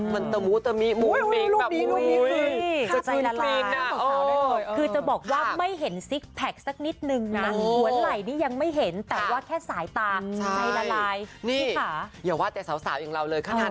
มันตะมู้ตะมีด